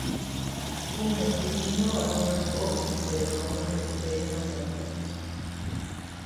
Fun escribindo algunhas cousas pero non me preocupei demasiado delas.